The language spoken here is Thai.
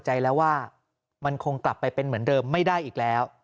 ใจแล้วว่ามันคงกลับไปเป็นเหมือนเดิมไม่ได้อีกแล้ว